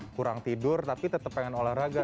jadi kurang tidur tapi tetap pengen olahraga